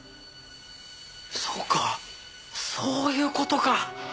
そうかそういう事か！